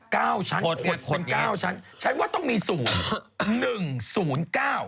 ก้าวชั้นขดขดก้าวชั้นฉันว่าต้องมีศูนย์๑๐๙